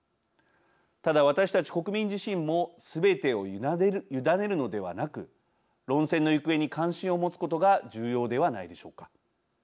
ただ私たち国民自身もすべてを委ねるのではなく論戦の行方に関心を持つことが重要ではないでしょうか。